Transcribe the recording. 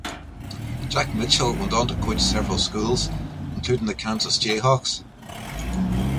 Jack Mitchell went on to coach several schools including the Kansas Jayhawks.